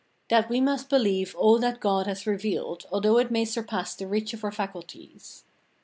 That we must believe all that God has revealed, although it may surpass the reach of our faculties.